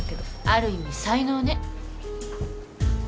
ある意味才能ね。